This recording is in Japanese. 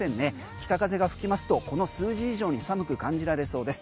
北風が吹きますとこの数字以上に寒く感じられそうです。